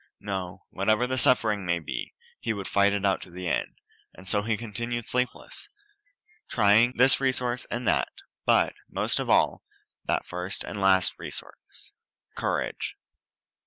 No; whatever the suffering might be, he would fight it out to the end, and so he continued sleepless, trying this resource and that, but, most of all, that first and last resource courage.